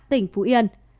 tỉnh phú yên